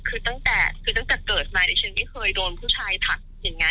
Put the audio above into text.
คือตั้งแต่เกิดใหม่ดิฉันไม่เคยโดนผู้ชายถักอย่างนั้น